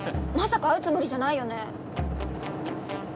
まさか会うつもりじゃないよね？